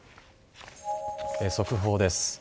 速報です。